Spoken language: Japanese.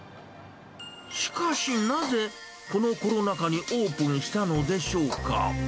しかし、なぜこのコロナ禍にオープンしたのでしょうか。